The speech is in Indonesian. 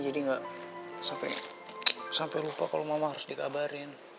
jadi gak sampai lupa kalau mama harus dikabarin